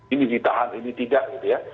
ini ditahan ini tidak